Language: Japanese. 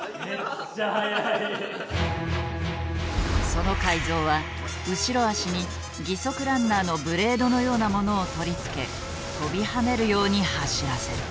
その改造は後ろ脚に義足ランナーのブレードのようなものを取り付け跳びはねるように走らせる。